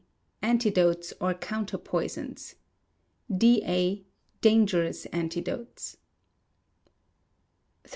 antidotes or counter poisons. D.A., dangerous antidotes. 1341.